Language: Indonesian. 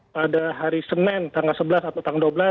pada hari senin tanggal sebelas atau tanggal dua belas